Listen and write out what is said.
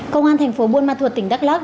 công an thành phố buôn ma thuột tỉnh đắk lắc